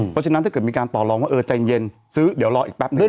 เพราะฉะนั้นถ้าเกิดมีการต่อลองว่าเออใจเย็นซื้อเดี๋ยวรออีกแป๊บนึง